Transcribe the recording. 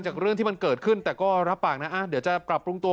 เรื่องที่มันเกิดขึ้นแต่ก็รับปากนะเดี๋ยวจะปรับปรุงตัว